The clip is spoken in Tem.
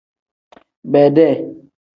Bedee.